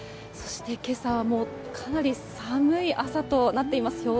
そしてけさはもう、かなり寒い朝となっています。